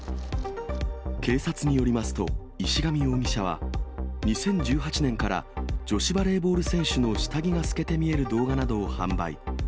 警察によりますと、石上容疑者は、２０１８年から女子バレーボール選手の下着が透けて見える動画などを販売。